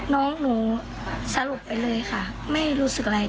น้องหนูสลบไปเลยค่ะไม่รู้สึกอะไร